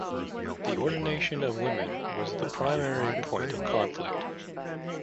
The ordination of women was the primary point of conflict.